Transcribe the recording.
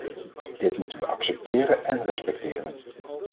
Dit moeten we accepteren en respecteren.